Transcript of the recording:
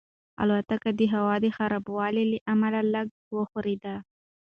الوتکه د هوا د خرابوالي له امله لږه وښورېده.